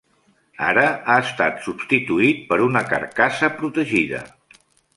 Ara ha estat substituït per una carcassa protegida.